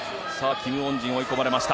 キム・ウォンジン追い込まれました。